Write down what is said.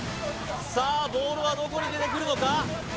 さあボールはどこに出てくるのか？